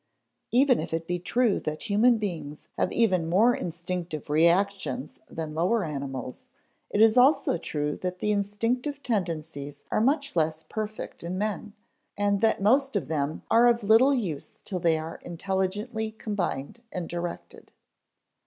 Even if it be true that human beings have even more instinctive reactions than lower animals, it is also true that instinctive tendencies are much less perfect in men, and that most of them are of little use till they are intelligently combined and directed.